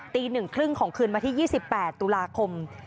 ตีหนึ่งครึ่งของคืนมาที่๒๘ตุลาคม